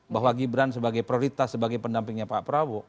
bahwa gibran sebagai prioritas sebagai pendampingnya pak prabowo